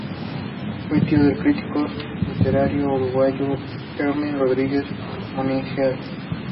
Fue tío del crítico literario uruguayo Emir Rodríguez Monegal.